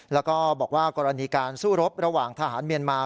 แล้วก็บอกว่ากรณีการสู้รบระหว่างทหารเมียนมา